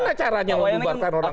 gimana caranya membubarkan orang